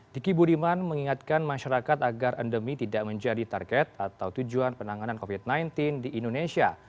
diki budiman mengingatkan masyarakat agar endemi tidak menjadi target atau tujuan penanganan covid sembilan belas di indonesia